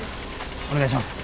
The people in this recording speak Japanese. お願いします。